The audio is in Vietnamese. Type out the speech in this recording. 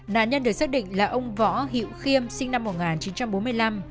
nạn nhân được xác định là ông võ hiệu khiêm sinh năm một nghìn chín trăm bốn mươi năm